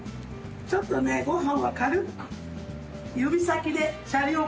ちょっとねご飯は軽く。